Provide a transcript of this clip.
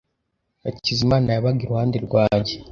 Hakizimana yabaga iruhande rwanjye.